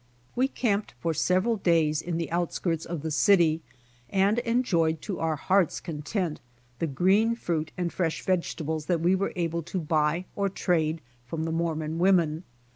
We camped for several days in the outskirts of the city, and enjoyed to our heart's content the green fruit and fresh vegetables that we were able to buy or trade from the Morm^on women.